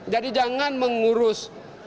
jadi jangan mengurus